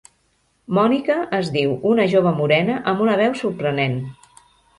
Mònica es diu, una jove morena amb una veu sorprenent.